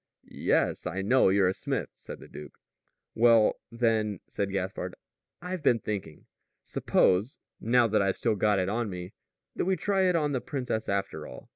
"Yes, I know you're a smith," said the duke. "Well, then," said Gaspard, "I've been thinking. Suppose now that I've still got it on me that we try it on the princess, after all."